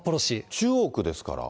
中央区ですから。